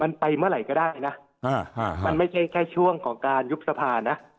มันไปเมื่อไหร่ก็ได้นะมันไม่ใช่แค่ช่วงของการยุบสภานะ